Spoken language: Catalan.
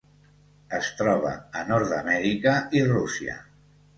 Es troba a Nord-amèrica i Rússia.